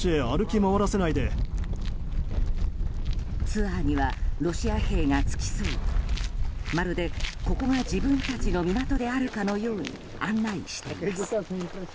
ツアーにはロシア兵が付き添いまるで、ここが自分たちの港であるかのように案内しています。